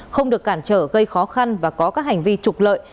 không được cản trở gây khó khăn và có các hành vi trục lợi